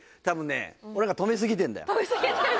たぶんね俺らが止めすぎてんだよ